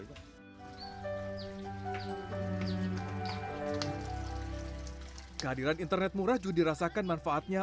kehadiran internet murah juga dirasakan manfaatnya